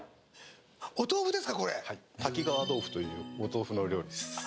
滝川豆腐というお豆腐料理です。